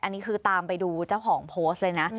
อันนี้คือตามไปดูเจ้าของโพสต์เลยนะ